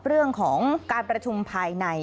เรื่องของการประชุมภายใน